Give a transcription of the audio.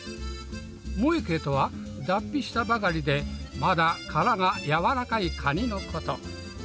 モエケとは脱皮したばかりでまだ殻が軟らかいカニのこと。